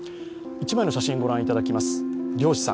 一枚の写真を御覧いただきます。